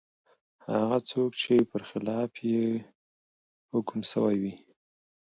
هغه څوک دی چي پر خلاف یې حکم سوی وي ؟